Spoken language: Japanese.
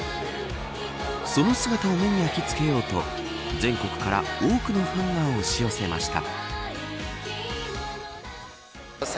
その姿を目に焼き付けようと全国から多くのファンが押し寄せました。